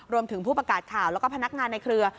ผู้ประกาศข่าวแล้วก็พนักงานในเครือ